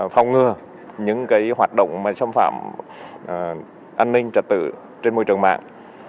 phòng ngừa những hoạt động xâm phạm an ninh trật tự trên môi trường mạng